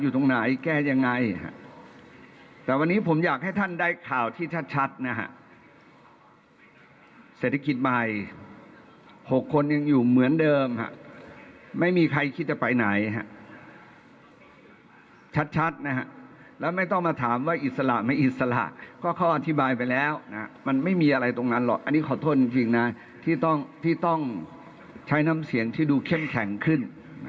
ต้องใช้น้ำเสียงที่ดูเข้มแข็งขึ้น